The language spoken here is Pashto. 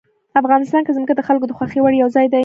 افغانستان کې ځمکه د خلکو د خوښې وړ یو ځای دی.